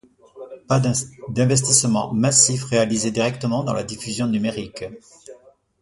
Pas d'investissements massifs réalisés directement dans la diffusion numérique.